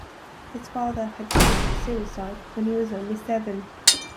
His father had committed suicide when he was only seven.